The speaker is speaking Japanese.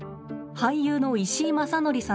俳優の石井正則さんです。